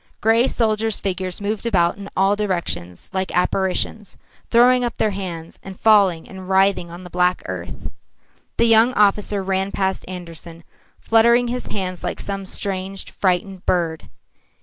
Grey soldiers' figures moved about in all directions like apparitions, throwing up their hands and falling and writhing on the black earth. The young officer ran past Andersen, fluttering his hands like some strange, frightened bird.